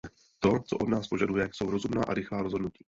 To, co od nás požaduje, jsou rozumná a rychlá rozhodnutí.